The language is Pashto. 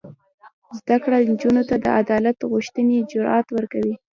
زده کړه نجونو ته د عدالت غوښتنې جرات ورکوي.